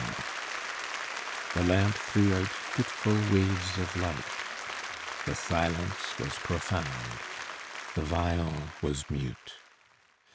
The lamp threw out fitful waves of light. The silence was profound, the viol was mute.